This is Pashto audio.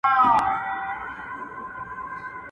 خیالي ځوانان راباندي مري خونکاره سومه.